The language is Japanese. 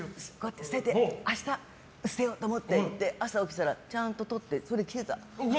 明日捨てようと思って朝起きたら、ちゃんと取ってそれ着てた。